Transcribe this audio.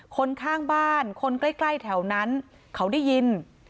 คนข้างบ้านคนใกล้แถวนั้นเขาได้ยิน